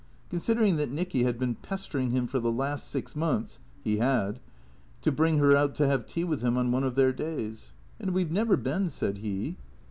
Considering that Nicky had been pestering him for the last six months (he had) to bring her out to have tea with him on one of their days. " And we 've never been," said he.